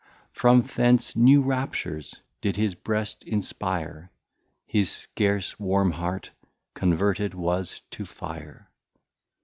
From thence new Raptures did his Breast inspire, His scarce Warm Heart converted was to Fire.